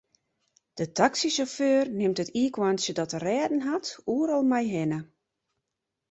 De taksysjauffeur nimt it iikhoarntsje dat er rêden hat oeral mei hinne.